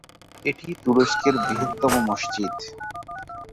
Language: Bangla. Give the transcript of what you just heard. এটি তুরস্কের বৃহত্তম মসজিদ।